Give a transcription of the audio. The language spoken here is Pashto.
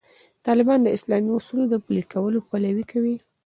طالبان د اسلامي اصولو د پلي کولو پلوي کوي.